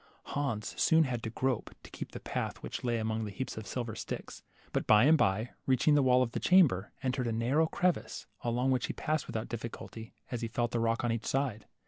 Hans soon had to grope, to keep the path which lay among the heaps of silver sticks ; but by and by, reaching the wall of the chamber, entered a narrow crevice, along which he passed with out difficulty, as he felt the rock on each side.